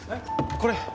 これ。